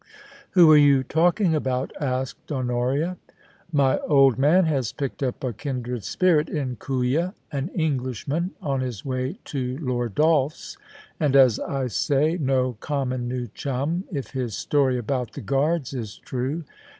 * Who are you talking about ?' asked Honoria. * My old man has picked up a kindred spirit in Kooya — an Englishman on his way to Lord Dolph's, and, as I say, no common new chum, if his story about the Guards is true.